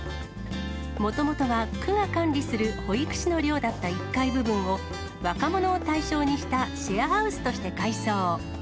もともとは区が管理する保育士の寮だった１階部分を、若者を対象にしたシェアハウスとして改装。